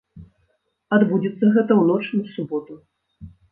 Адбудзецца гэта ў ноч на суботу.